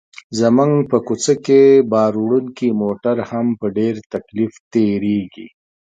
زموږ په کوڅه کې باروړونکي موټر هم په ډېر تکلیف تېرېږي.